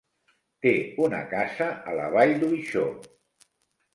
Té una casa a la Vall d'Uixó.